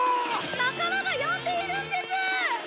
仲間が呼んでいるんです！